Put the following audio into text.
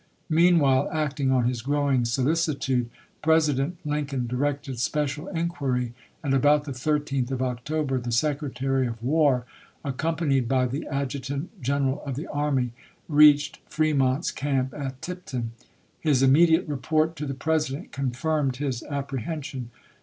Meanwhile, acting on his growing solicitude. President Lincoln directed special inquiry, and about the 13th of isei. October the Secretary of War, accompanied by the Adjutant General of the Army, reached Fremont's 430 ABKAHAM LINCOLN ch. XXIV. camp at Tipton. His immediate report to the President confirmed his apprehension.